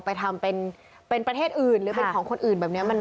ไปทำเป็นประเทศอื่นหรือเป็นของคนอื่นแบบนี้